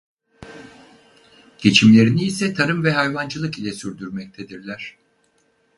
Geçimlerini ise tarım ve hayvancılık ile sürdürmektedirler.